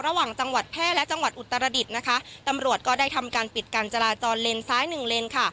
ระหว่างจังหวัดแพร่และจังหวัดอุตรดิษฐ์นะคะตำรวจก็ได้ทำการปิดการจราจรเลนซ้ายหนึ่งเลนค่ะ